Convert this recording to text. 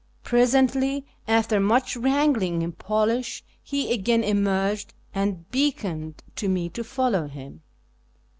Presently, after much wrangling in Polish, he again emerged, and beckoned to me to follow him.